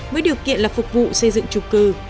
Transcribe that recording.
với điều kiện là phục vụ xây dựng trung cư